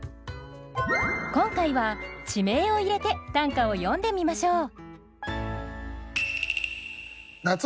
今回は地名を入れて短歌を詠んでみましょう。